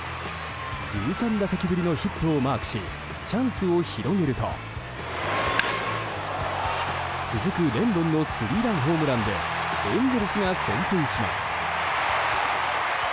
１３打席ぶりのヒットをマークし、チャンスを広げると続くレンドンのスリーランホームランでエンゼルスが先制します。